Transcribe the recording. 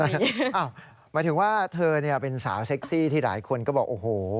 หมายถึงว่าเธอเป็นสาวเซ็กซี่ที่หลายคนก็บอกโอ้โห